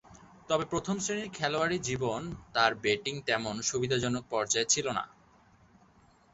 তবে, প্রথম-শ্রেণীর খেলোয়াড়ী জীবনে তার ব্যাটিং তেমন সুবিধাজনক পর্যায়ের ছিল না।